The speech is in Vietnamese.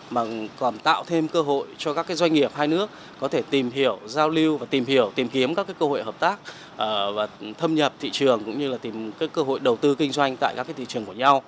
mà còn tạo thêm cơ hội cho các doanh nghiệp hai nước có thể tìm hiểu giao lưu và tìm hiểu tìm kiếm các cơ hội hợp tác và thâm nhập thị trường cũng như là tìm cơ hội đầu tư kinh doanh tại các thị trường của nhau